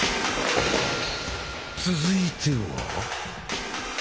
続いては。